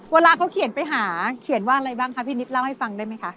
เวลาเขาเขียนไปหาเขียนว่าอะไรบ้างคะพี่นิดเล่าให้ฟังได้ไหมคะ